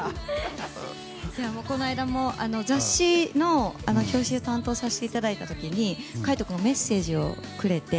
この間も、雑誌の表紙を担当させていただいた時に海人君がメッセージをくれて。